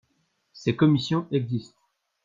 Ces commissions existent.